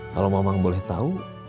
kalau mamang boleh tahu